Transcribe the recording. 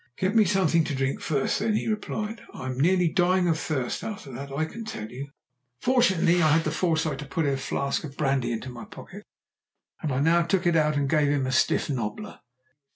"Get me something to drink first, then," he replied; "I'm nearly dying of thirst; after that I'll tell you." Fortunately I had had the foresight to put a flask of whisky into my pocket, and I now took it out and gave him a stiff nobbler.